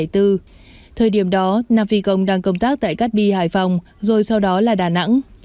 thời điểm đó nam phi công đang công tác tại cát bi hải phòng rồi sau đó là đà nẵng